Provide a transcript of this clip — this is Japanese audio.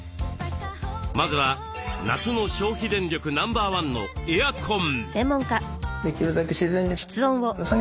まずは夏の消費電力ナンバーワンのエアコン。